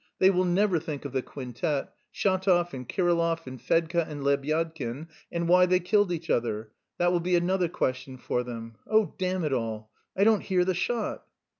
They will never think of the quintet; Shatov and Kirillov and Fedka and Lebyadkin, and why they killed each other that will be another question for them. Oh, damn it all, I don't hear the shot!"